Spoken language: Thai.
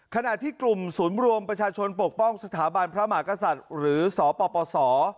ขณะที่กลุ่มศูนย์รวมประชาชนปกป้องสถาบันพระมหากษัตริย์หรือสปส